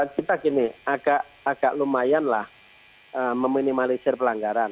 kita gini agak lumayanlah meminimalisir pelanggaran